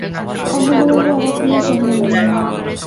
অন্নদাবাবু অবাক হইয়া চাহিয়া রহিলেন।